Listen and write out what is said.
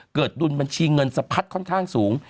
ดุลบัญชีเงินสะพัดค่อนข้างสูง